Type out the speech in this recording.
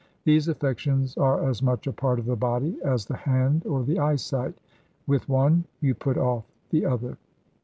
These affections are as much a part of the body as the hand or the eyesight; with one you put off the other.'